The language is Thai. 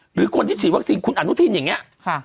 หรือคนที่ฉีดวัคซีนคุณอนุทินอย่างนี้